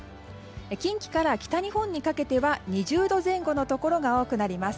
近畿から北日本にかけては２０度前後のところが多くなります。